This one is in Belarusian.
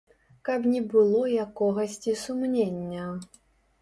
Каб не было якогасьці сумнення.